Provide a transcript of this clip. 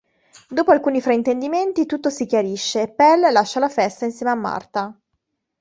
Dopo alcuni fraintendimenti, tutto si chiarisce e Pell lascia la festa insieme a Martha.